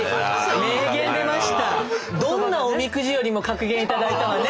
どんなおみくじよりも格言頂いたわね。